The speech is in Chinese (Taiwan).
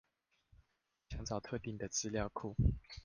想找特定的資料庫